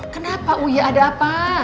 kenapa uya ada apa